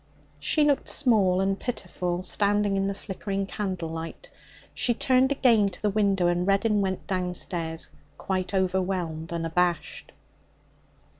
She looked small and pitiful standing in the flickering candlelight. She turned again to the window, and Reddin went downstairs, quite overwhelmed and abashed.